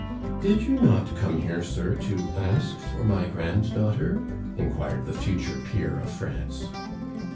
"Did you not come here, sir, to ask for my granddaughter?" inquired the future peer of France.